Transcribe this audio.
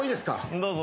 どうぞ。